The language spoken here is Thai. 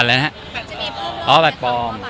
ปั่นแล้วนะครับ